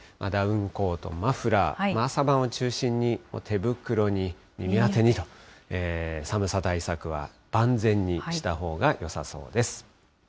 ダウンコート、マフラー、朝晩を中心に手袋に耳当てにと、寒さ対策は万全にしたほうがよさそうです。